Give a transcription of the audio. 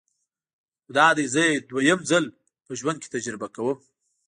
خو دادی زه یې دویم ځل په ژوند کې تجربه کوم.